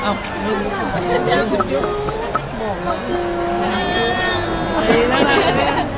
มาครับขอบคุณมาก